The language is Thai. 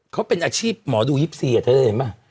เขาเป็นอาชีพหมอดู๒๔เธอได้เห็นป่ะ